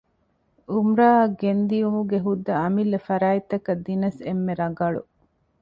ޢުމްރާއަށް ގެންދިޔުމުގެ ހުއްދަ އަމިއްލަ ފަރާތްތަކަށް ދިނަސް އެންމެ ރަގަޅު